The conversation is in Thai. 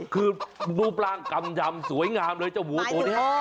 คือรูปร่างกำยำสวยงามเลยเจ้าวัวตัวนี้